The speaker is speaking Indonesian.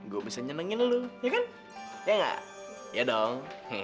gua bisa nyenengin lu ya kan ya gak ya dong